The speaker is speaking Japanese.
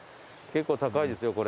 結構高いですよこれ。